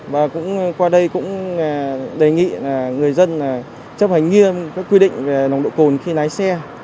và qua đây cũng đề nghị người dân chấp hành nghiêm quy định về nồng độ cồn khi lái xe